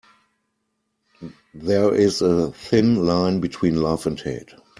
There is a thin line between love and hate.